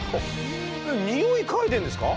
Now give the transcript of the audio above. ニオイ嗅いでんですか？